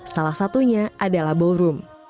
salah satunya adalah ballroom